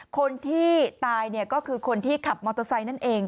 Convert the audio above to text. คนที่ตายก็คือคนที่ขับมอเตอร์ไซค์นั่นเอง